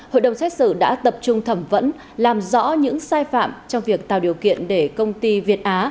hội đồng xét xử đã tập trung thẩm vẫn làm rõ những sai phạm trong việc tạo điều kiện để công ty việt á